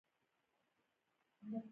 انسان څنګ دوکه کيږي